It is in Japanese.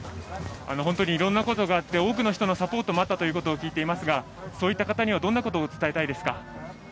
いろんなことがあって多くの人のサポートもあったとも聞いていますがそういった方にどんなことを伝えたいですか。